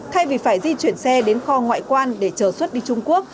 thay vì phải di chuyển xe đến kho ngoại quan để chờ xuất đi trung quốc